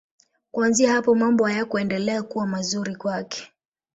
Kuanzia hapo mambo hayakuendelea kuwa mazuri kwake.